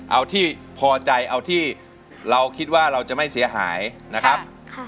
เอาที่พอใจเอาที่เราคิดว่าเราจะไม่เสียหายนะครับ